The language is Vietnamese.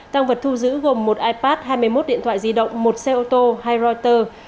tăng vật thu giữ gồm một ipad hai mươi một điện thoại di động một xe ô tô hai reuters